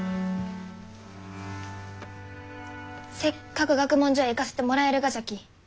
せっかく学問所へ行かせてもらえるがじゃき。